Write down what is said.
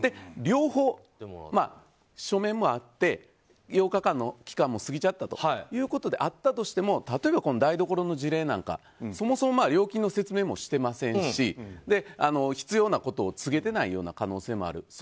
両方、書面もあって８日間の期間も過ぎちゃったということであったとしても例えば台所の事例なんかはそもそも料金の説明もしてませんし、必要なことを告げていない可能性もある。